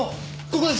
ここです！